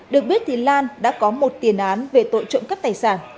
được biết thì lan đã có một tiền án về tội trộm cắp tài sản